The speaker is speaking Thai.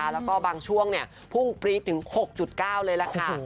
แล้วก็บางช่วงพุ่งปรี๊ดถึง๖๙เลยล่ะค่ะ